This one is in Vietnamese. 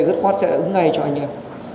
rất khoát sẽ ứng ngay cho anh em